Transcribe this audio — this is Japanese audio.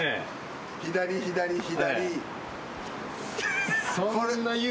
左左左。